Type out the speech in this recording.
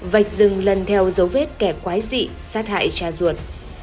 vạch rừng lần theo dấu vết kẻ quái dị sát hại cha ruột